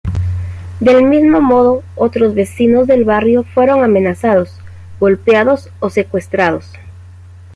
Del mismo modo otros vecinos del barrio fueron amenazados, golpeados o secuestrados.